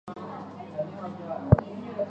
等结束马上订